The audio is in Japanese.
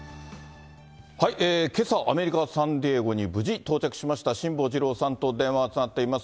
けさ、アメリカ・サンディエゴに無事到着しました辛坊治郎さんと電話がつながっています。